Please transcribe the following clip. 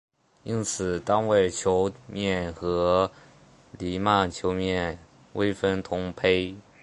因此单位球面和黎曼球面微分同胚。